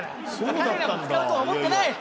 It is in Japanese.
彼らも使うとは思ってない！